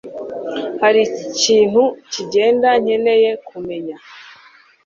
hari ikintu kigenda nkeneye kumenya